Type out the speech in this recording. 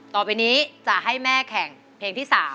ต่อไปนี้จะให้แม่แข่งเพลงที่๓